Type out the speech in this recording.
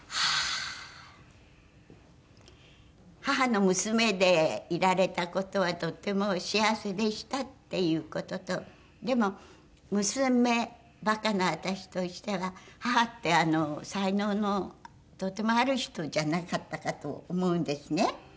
母の娘でいられた事はとっても幸せでしたっていう事とでも娘バカな私としては母って才能のとってもある人じゃなかったかと思うんですね。